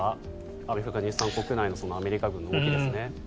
アフガニスタン国内のアメリカ軍の動きですね。